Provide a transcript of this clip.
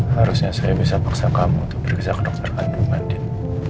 harusnya saya bisa paksa kamu untuk pergi ke dokter kandungan din